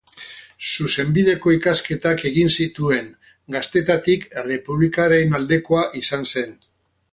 Zuzenbideko ikasketak egin zituen; gaztetatik errepublikaren aldekoa izan zen.